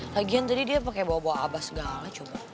lagian tadi dia pake bawa bawa abah segala coba